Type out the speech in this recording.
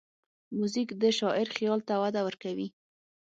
موزیک د شاعر خیال ته وده ورکوي.